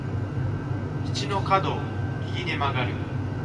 道の角を右に曲がる。